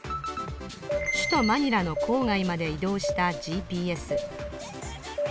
首都マニラの郊外まで移動したＧＰＳ